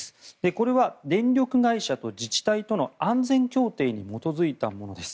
これは電力会社と自治体との安全協定に基づいたものです。